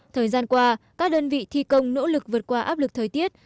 thời gian qua các đơn vị thi công nỗ lực vượt qua áp lực thời tiết